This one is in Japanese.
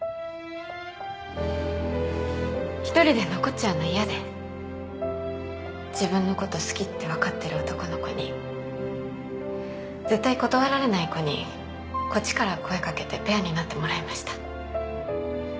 １人で残っちゃうの嫌で自分のこと好きって分かってる男の子に絶対断られない子にこっちから声掛けてペアになってもらいました。